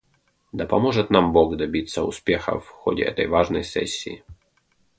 Да поможет нам Бог добиться успеха в ходе этой важной сессии!